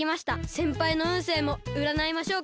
せんぱいのうんせいもうらないましょうか？